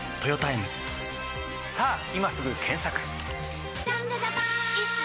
さぁ今すぐ検索！